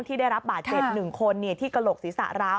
ที่ได้รับบาท๗หนึ่งคนที่กระโหลกศีรษะร้าว